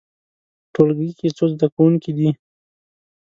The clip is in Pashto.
ټولګی کې څو زده کوونکي دي؟